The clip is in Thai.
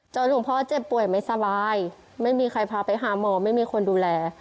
หลวงพ่อเจ็บป่วยไม่สบายไม่มีใครพาไปหาหมอไม่มีคนดูแล